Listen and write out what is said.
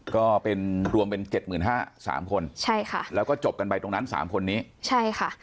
ก็เป็นรวมเป็นเจ็ดหมื่นห้าสามคนใช่ค่ะแล้วก็จบกันไปตรงนั้นสามคนนี้ใช่ค่ะ